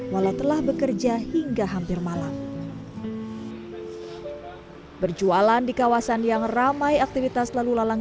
walau telah bekerja hingga hampir malam berjualan di kawasan yang ramai aktivitas lalu lalang